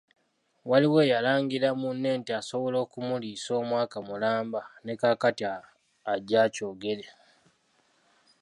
Waliwo eyalangira munne nti asobola okumuliisa omwaka mulamba ne kaakati ajje akyogere.